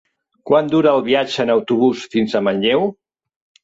Quant dura el viatge en autobús fins a Manlleu?